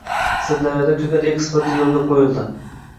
Sirdaryoda ko‘kat eksporti yo‘lga qo‘yilding